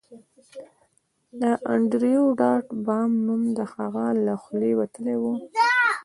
د انډریو ډاټ باس نوم د هغه له خولې وتلی و